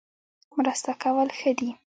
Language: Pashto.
مرسته کول ښه دي